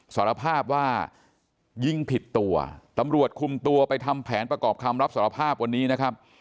สารภาพว่ายิงผิดตัวตำรวจคุมตัวไปทำแผนประกอบคำรับสารภาพวันนี้นะครับ